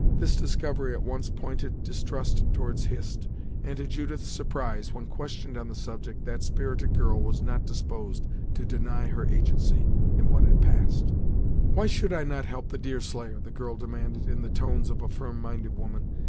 This discovery at once pointed distrust towards Hist, and to Judith's surprise, when questioned on the subject, that spirited girl was not disposed to deny her agency in what had passed. "Why should I not help the Deerslayer?" the girl demanded, in the tones of a firm minded woman.